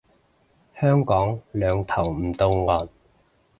香港兩頭唔到岸